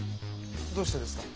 どうしてですか？